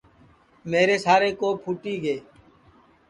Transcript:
میرے سارے کوپ پھوٹی گے